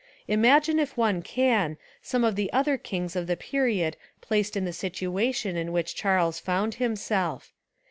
Imagine, if one can, some of the other kings of the period placed in the situation in which Charles found himself.